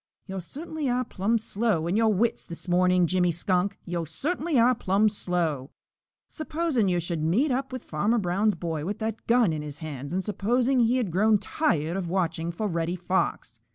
"Yo' cert'nly are plumb slow in your wits this morning, Jimmy Skunk, yo' cert'nly are plumb slow! Supposing yo' should meet up with Farmer Brown's boy with that gun in his hands and supposing he had grown tired of watching fo' Reddy Fox.